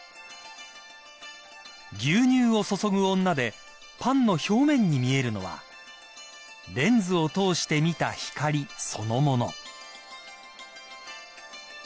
［『牛乳を注ぐ女』でパンの表面に見えるのはレンズを通して見た光そのもの］